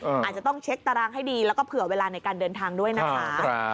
อาจจะต้องเช็คตารางให้ดีแล้วก็เผื่อเวลาในการเดินทางด้วยนะคะ